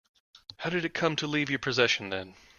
How did it come to leave your possession then?